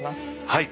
はい。